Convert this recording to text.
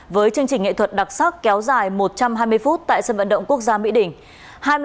với chương trình nghệ thuật đặc sắc kéo dài một trăm hai mươi phút tại sân vận động quốc gia mỹ đình